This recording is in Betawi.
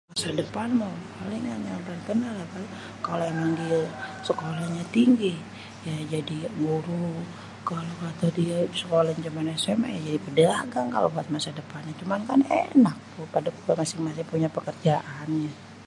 masa depan mah paling harapan ayê kalo emang diê sekolahnya tinggi ya jadi guru.. kalo kata diê sekolahnya cumê sma ya jadi pèdagang kalo buat masa depannya.. cuman kan ènak udah masing-masing pada punya pekerjaan..